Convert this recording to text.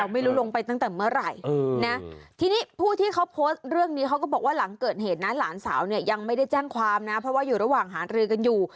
ไม่รู้ลงไปตั้งแต่เมื่อไหร่นะทีนี้ผู้ที่เขาโพสต์เรื่องนี้เขาก็บอกว่าหลังเกิดเหตุนะหลานสาวเนี่ยยังไม่ได้แจ้งความนะเพราะว่าอยู่ระหว่างหารือกันอยู่